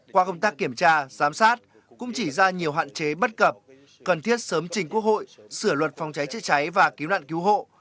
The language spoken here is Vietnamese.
qua công tác kiểm tra giám sát cũng chỉ ra nhiều hạn chế bất cập cần thiết sớm trình quốc hội sửa luật phòng cháy chữa cháy và cứu nạn cứu hộ